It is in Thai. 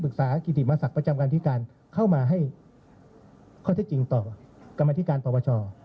ปรึกษากิจมศักดิ์ประจำการทิการเข้ามาให้ข้อที่จริงต่อกรรมธิการประวัติศาสตร์